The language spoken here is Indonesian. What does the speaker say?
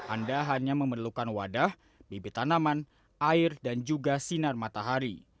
anda hanya memerlukan wadah bibit tanaman air dan juga sinar matahari